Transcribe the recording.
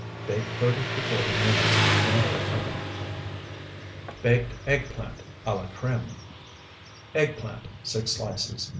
Bake thirty to forty minutes in a moderate oven. BAKED EGGPLANT A LA CREME Eggplant, 6 slices.